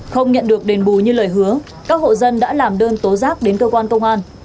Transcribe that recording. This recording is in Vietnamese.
không nhận được đền bù như lời hứa các hộ dân đã làm đơn tố giác đến cơ quan công an